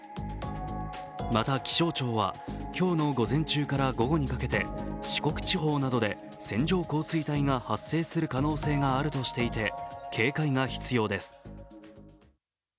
また、気象庁は今日の午前中から午後にかけて四国地方などで、線状降水帯が発生する可能性があるとしていて、警戒が必要です。